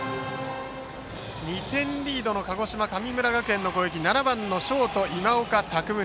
２点リードの鹿児島・神村学園の攻撃バッターは７番ショート、今岡拓夢。